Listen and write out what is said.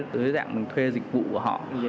từ cái dạng mình thuê dịch vụ của họ